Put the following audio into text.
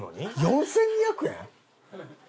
４２００円？